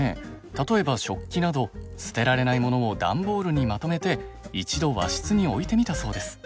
例えば食器など捨てられないものを段ボールにまとめて一度和室に置いてみたそうです。